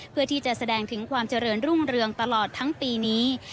เพื่อที่จะแสดงถึงความเจริญรุ่งเรืองตลอดทั้งปีนี้